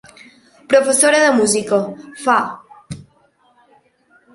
>>Professora de Música: Fa.